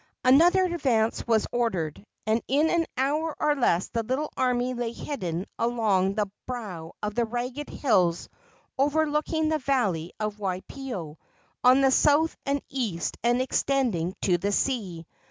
Another advance was ordered, and in an hour or less the little army lay hidden along the brow of the ragged hills overlooking the valley of Waipio on the south and east and extending to the sea.